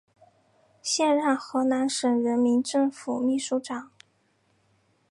现任河南省人民政府秘书长。